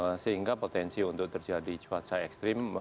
jadi masih ada potensi untuk terjadi cuaca ekstrim